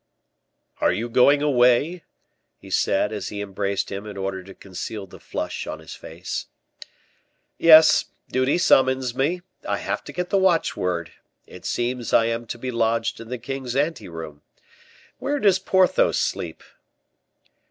"Are you going away?" he said, as he embraced him, in order to conceal the flush on his face. "Yes. Duty summons me. I have to get the watch word. It seems I am to be lodged in the king's ante room. Where does Porthos sleep?"